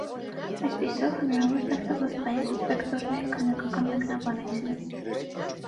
Այսպիսով, հնարավոր դարձավ աստղային սպեկտրների քանակական մեկնաբանությունը։